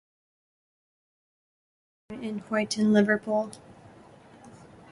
Kane was born in Huyton, Liverpool.